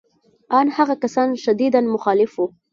ان هغه کسان شدیداً مخالف وو